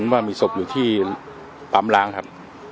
ว่ามีศพอยู่ที่ปั๊มล้างครับ